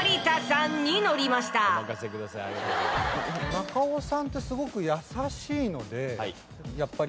中尾さんってすごく優しいのでやっぱり